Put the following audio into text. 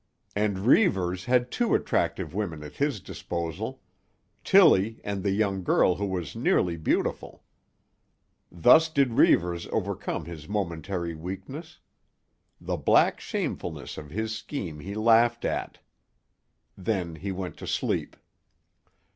And Reivers had two attractive women at his disposal, Tillie, and the young girl who was nearly beautiful. Thus did Reivers overcome his momentary weakness. The black shamefulness of his scheme he laughed at. Then he went to sleep.